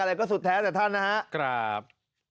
อะไรก็สุดแท้แต่ท่านนะครับ